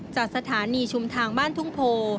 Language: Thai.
จากสถานีชุมทางบ้านทุ่งโพ